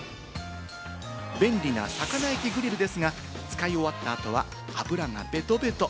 便利な魚焼きグリルですが、使い終わった後は油がベトベト。